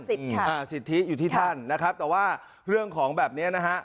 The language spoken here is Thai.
อ่าสิทธิอยู่ที่ท่านนะครับแต่ว่าเรื่องของแบบเนี้ยนะฮะ